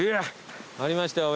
ありましたよ